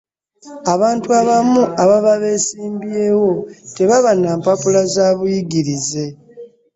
Abantu abamu ababa besimbyewo tebaba na mpapula zabuyigirize.